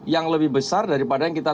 yang lebih besar daripada yang kita